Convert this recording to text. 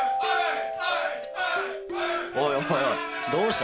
おいおいどうした？